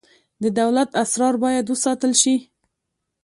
د دولت اسرار باید وساتل شي